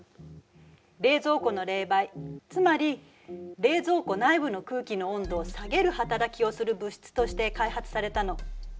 冷蔵庫の冷媒つまり冷蔵庫内部の空気の温度を下げる働きをする物質として開発されたの。